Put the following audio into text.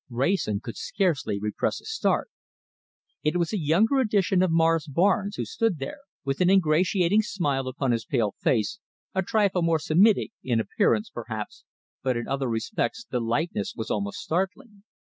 Wrayson could scarcely repress a start. It was a younger edition of Morris Barnes who stood there, with an ingratiating smile upon his pale face, a trifle more Semitic in appearance, perhaps, but in other respects the likeness was almost startling.